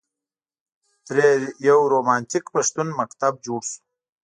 ترې یو رومانتیک پښتون مکتب جوړ شو.